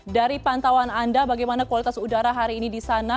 dari pantauan anda bagaimana kualitas udara hari ini di sana